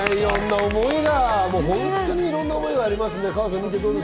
いろんな思いがありますね。